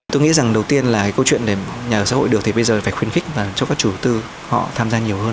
tôi nghĩ rằng đầu tiên là câu chuyện để nhà ở xã hội được thì bây giờ phải khuyến khích và cho các chủ đầu tư họ tham gia nhiều hơn